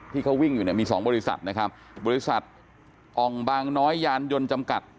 ที่เขาวิ่งอยู่เนี่ยมีสองบริษัทนะครับบริษัทอ่องบางน้อยยานยนต์จำกัด